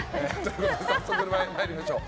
早速、参りましょう。